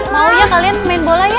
mau ya kalian main bola ya